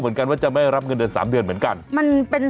เหมือนกันว่าจะไม่รับเงินเดือน๓เดือนเหมือนกัน